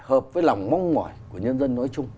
hợp với lòng mong mỏi của nhân dân nói chung